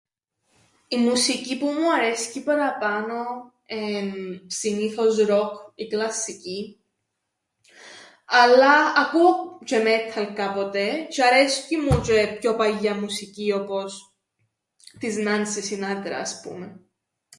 Η μουσική που μου αρέσκει παραπάνω εν' συνήθως ροκ ή κλασσική, αλλά ακούω τζ̌αι μέτταλ κάποτε, τζ̌αι αρέσκει μου τζ̌αι πιο παλιά μουσική όπως της Νάνσι Σινάτρα ας πούμεν.